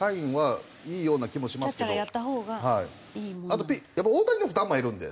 あとやっぱ大谷の負担も減るんで。